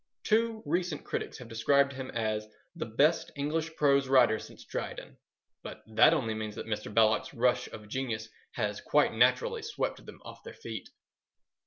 Two recent critics have described him as "the best English prose writer since Dryden," but that only means that Mr. Belloc's rush of genius has quite naturally swept them off their feet.